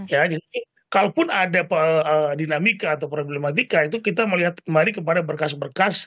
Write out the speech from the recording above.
jadi kalaupun ada dinamika atau problematika itu kita melihat kemari kepada berkas berkas